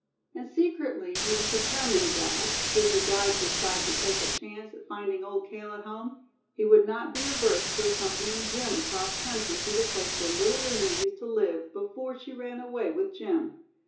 And secretly he was determined that, should the guide decide to take a chance at finding Old Cale at home, he would not be averse to accompanying Jim across country to the place where Little Lina used to live, before she ran away with Jim.